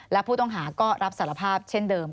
และผู้ต้องหาก็รับสารภาพเช่นเดิม